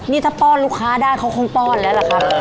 นี่ถ้าป้อนลูกค้าได้เขาคงป้อนแล้วล่ะครับ